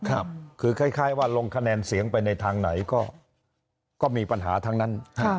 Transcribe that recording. คือคล้ายว่าลงคะแนนเสียงไปในทางไหนก็มีปัญหาทั้งนั้น